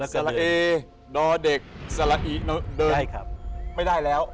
สละเอดอเด็กสละอิเดินไม่ได้แล้ว